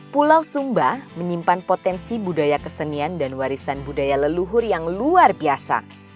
pulau sumba menyimpan potensi budaya kesenian dan warisan budaya leluhur yang luar biasa